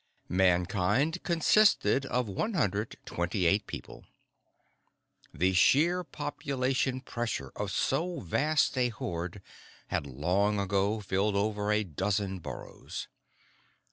I Mankind consisted of 128 people. The sheer population pressure of so vast a horde had long ago filled over a dozen burrows.